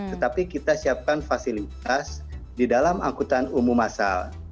tetapi kita siapkan fasilitas di dalam angkutan umum asal